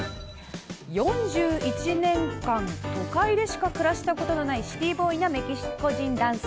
４１年間、都会でしか暮らしたことのないシティーボーイなメキシコ人男性。